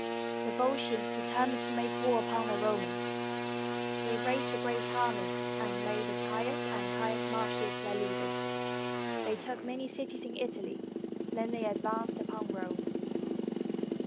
[The Volscians determined to make war upon the Romans. They raised a great army and made Attius and Caius Mar cius their leaders. They took many cities in Italy, then they advanced upon Rome.